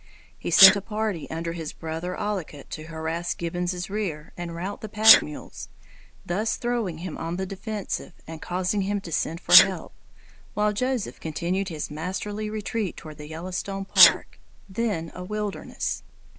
He sent a party under his brother Ollicut to harass Gibbons' rear and rout the pack mules, thus throwing him on the defensive and causing him to send for help, while Joseph continued his masterly retreat toward the Yellowstone Park, then a wilderness.